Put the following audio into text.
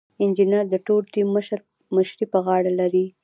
انجینر د ټول ټیم مشري په غاړه لري.